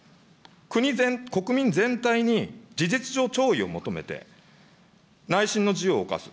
国民全体に事実上、弔意を求めて、内心の自由を侵す。